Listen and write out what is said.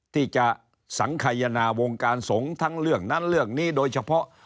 ที่จะสังขยนาวงการสงฆ์ทั้งเรื่องนั้นเรื่องนี้โดยเฉพาะ